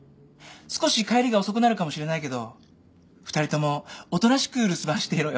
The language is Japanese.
少し帰りが遅くなるかもしれないけど２人ともおとなしく留守番していろよ。